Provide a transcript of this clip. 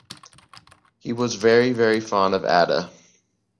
He was very, very fond of Ada.